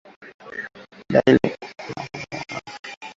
Dalili ya ugonjwa wa kutupa mimba ni korodani kuwa na ukubwa usio wa kawaida